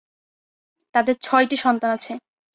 তাদের ছয়টি সন্তান আছে।